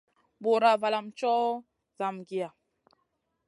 Bùra valam ma tchoho zangiya.